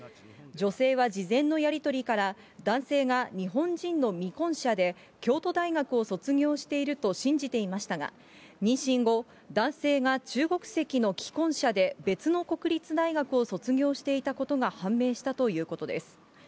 女性は事前のやり取りから、男性が日本人の未婚者で、京都大学を卒業していると信じていましたが、妊娠後、男性が中国籍の既婚者で、別の国立大学を卒業していたことが判明したということです。